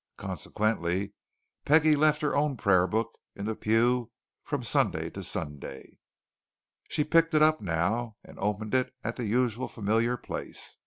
Consequently Peggie left her own prayer book in that pew from Sunday to Sunday. She picked it up now, and opened it at the usual familiar place.